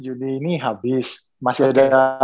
juni ini habis masih ada